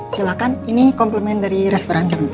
silahkan ini komplement dari restoran kamu